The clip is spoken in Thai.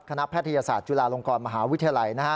แพทยศาสตร์จุฬาลงกรมหาวิทยาลัย